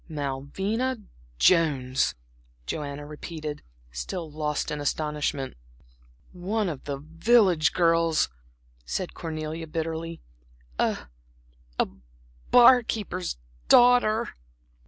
"Malvina Jones!" Joanna repeated, still lost in astonishment. "One of the village girls!" said Cornelia, bitterly, "a a bar keeper's daughter."